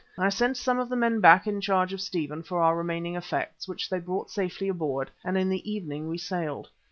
I sent some of the men back in the charge of Stephen for our remaining effects, which they brought safely aboard, and in the evening we sailed.